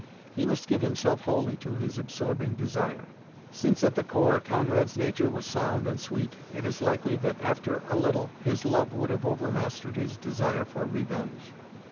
He must give himself wholly to his absorbing desire. Since at the core Conrad's nature was sound and sweet, it is likely that after a little his love would have overmastered his desire for revenge.